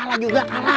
gak kalah juga kalah